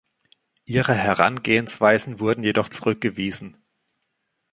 Ihre Herangehensweisen wurden jedoch zurückgewiesen.